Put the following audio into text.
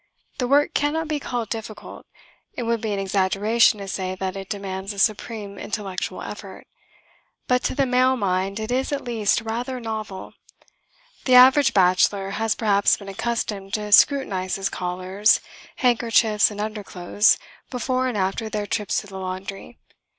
The work cannot be called difficult. It would be an exaggeration to say that it demands a supreme intellectual effort. But to the male mind it is, at least, rather novel. The average bachelor has perhaps been accustomed to scrutinise his collars, handkerchiefs and underclothes before and after their trips to the laundry.